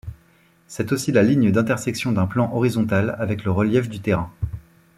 C'est aussi la ligne d'intersection d'un plan horizontal avec le relief du terrain.